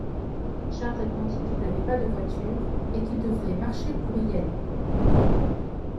Charles répondit qu'il n'avait pas de voiture et qu'il devrait marcher pour y aller.